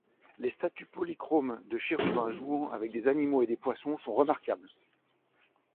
Les statues polychromes de chérubins jouant avec des animaux et des poissons sont remarquables.